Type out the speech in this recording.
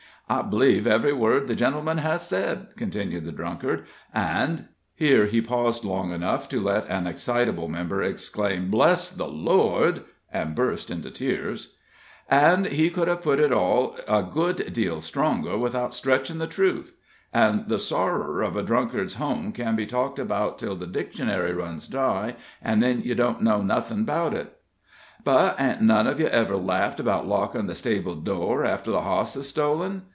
"I believe ev'ry word the gentleman has said," continued the drunkard, "and" here he paused long enough to let an excitable member exclaim "Bless the Lord!" and burst into tears "and he could have put it all a good deal stronger without stretchin' the truth. An' the sorrer of a drunkard's home can be talked about 'till the Dictionary runs dry, an' then ye don't know nothin' 'bout it. But hain't none of ye ever laughed 'bout lockin' the stable door after the hoss is stolen?